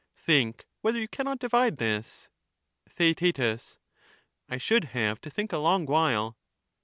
Think whether you cannot divide this. Theaet. I should have to think a long while.